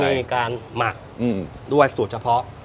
มีการหมักด้วยสูตรเฉพาะ